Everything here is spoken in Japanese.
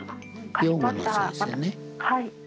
はい。